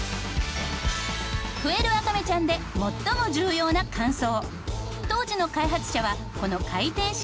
ふえるわかめちゃんで最も重要な乾燥。